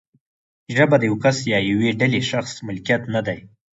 ژبه د یو کس یا یوې ډلې شخصي ملکیت نه دی.